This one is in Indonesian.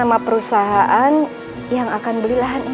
sama perusahaan yang akan beli lahan ini